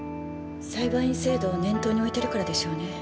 裁判員制度を念頭に置いてるからでしょうね。